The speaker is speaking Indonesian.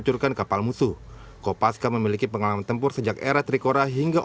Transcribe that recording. jangan lupa like share dan subscribe ya